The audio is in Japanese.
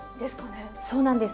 そうなんです。